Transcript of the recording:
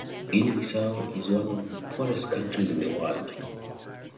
Guinea-Bissau is one of the poorest countries in the world.